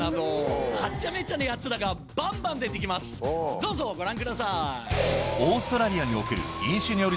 どうぞご覧ください！